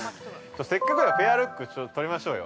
せっかくだから、ペアルック撮りましょうよ。